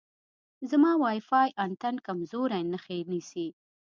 زما وای فای انتن کمزورې نښې نیسي.